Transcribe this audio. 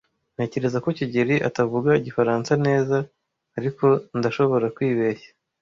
Ntekereza ko kigeli atavuga Igifaransa neza, ariko ndashobora kwibeshya.